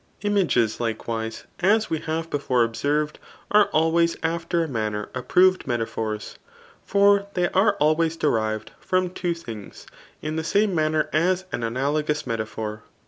248 THE ART OF JBOOK UU Images, likewise, as we have* before observed, are al« ways after a manner approved metaphors; for they' are always derived from two things, in the same manner as an analogous metaphor.